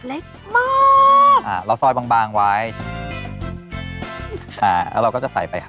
เล็กมากอ่าเราซอยบางบางไว้อ่าแล้วเราก็จะใส่ไปครับ